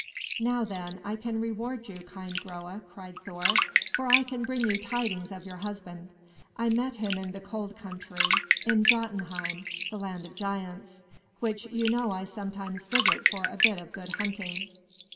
"Now, then, I can reward you, kind Groa!" cried Thor, "for I can bring you tidings of your husband. I met him in the cold country, in Jotunheim, the Land of Giants, which you know I sometimes visit for a bit of good hunting.